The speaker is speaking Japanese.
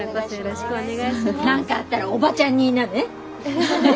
何かあったらおばちゃんに言いなね。